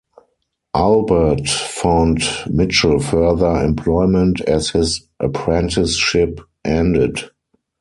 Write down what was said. Albert found Michel further employment as his apprenticeship ended.